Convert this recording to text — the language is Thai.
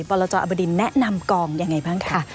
บรรจออับบดีนแนะนำกองอย่างไรบ้างคะ